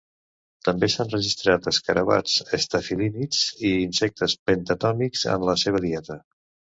També s'han registrat escarabats estafilínids i insectes pentatòmics en la seva dieta.